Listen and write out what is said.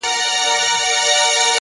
هره تجربه نوې پوهه زېږوي،